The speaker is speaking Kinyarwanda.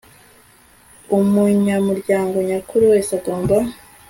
Umunyamuryango nyakuri wese agomba